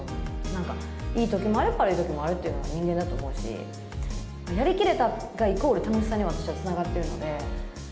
なんか、いいときもあれば、悪いときもあるっていうのが人間だと思うし、やりきれたがイコール楽しさには、私はつながってるので。